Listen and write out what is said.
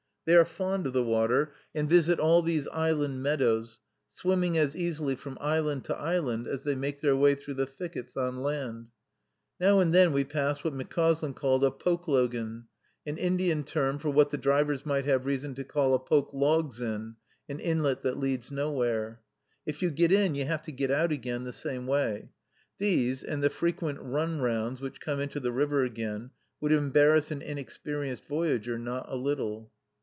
They are fond of the water, and visit all these island meadows, swimming as easily from island to island as they make their way through the thickets on land. Now and then we passed what McCauslin called a pokelogan, an Indian term for what the drivers might have reason to call a poke logs in, an inlet that leads nowhere. If you get in, you have got to get out again the same way. These, and the frequent "runrounds" which come into the river again, would embarrass an inexperienced voyager not a little.